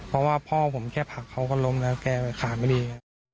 เพราะว่าพ่อผมแค่ผลักเขาก็ล้มแล้วแกขาไม่ดี